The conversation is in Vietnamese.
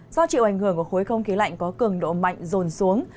do chịu ảnh hưởng của khối không khí lạnh có cường độ mạnh rồn xuống